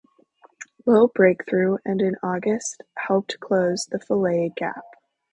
Lo break-through and in August helped close the Falaise Gap.